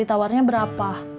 roti tawarnya berapa